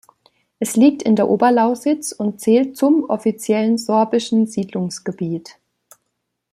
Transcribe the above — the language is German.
Es liegt in der Oberlausitz und zählt zum offiziellen Sorbischen Siedlungsgebiet.